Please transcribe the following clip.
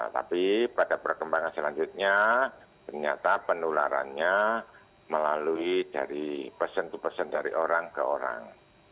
tapi pada perkembangan selanjutnya ternyata penularannya melalui dari person to person dari orang ke orang